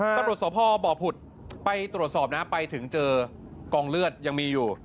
เมื่อส่อพ่อบอกหุดไปตรวจสอบนะไปถึงเจอกองเลือดยังมีอยู่